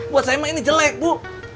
buat saya ini jelek bu